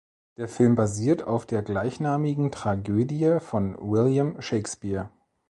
Der Film basiert auf der gleichnamigen Tragödie von William Shakespeare.